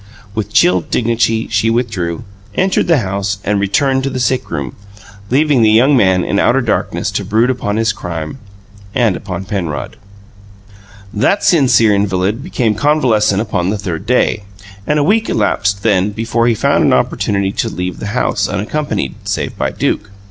With chill dignity she withdrew, entered the house, and returned to the sick room, leaving the young man in outer darkness to brood upon his crime and upon Penrod. That sincere invalid became convalescent upon the third day; and a week elapsed, then, before he found an opportunity to leave the house unaccompanied save by Duke.